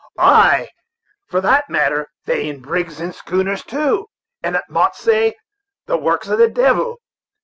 "Ay! for that matter, they in brigs and schooners, too; and it mought say, the works of the devil.